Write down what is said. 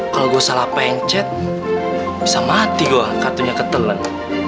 kalau gua salah pencet bisa mati gua kartunya ketelan